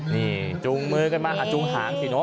นี่จูงมือกันมาจูงหางสิเนอะ